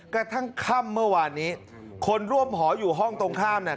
กระทั่งค่ำเมื่อวานนี้คนร่วมหออยู่ห้องตรงข้ามเนี่ย